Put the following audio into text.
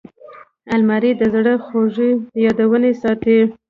الماري د زړه خوږې یادونې ساتي